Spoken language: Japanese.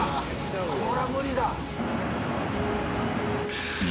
これは無理だ。